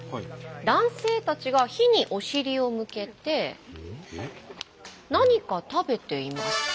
男性たちが火にお尻を向けて何か食べています。